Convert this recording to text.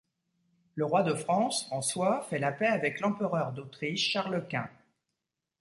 Le roi de France, François, fait la paix avec l'empereur d'Autriche, Charles Quint.